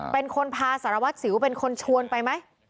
เป็นคนพาสารวัตรสิวเป็นคนชวนไปไหม